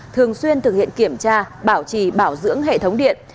thường xuyên thực hiện kiểm tra bảo trì bảo dưỡng hệ thống điện